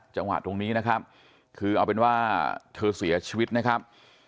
จังหวะตรงนี้นะครับคือเอาเป็นว่าเธอเสียชีวิตนะครับ